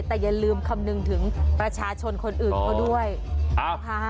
แต่อย่าลืมคำนึงถึงประชาชนคนอื่นเขาด้วยนะคะ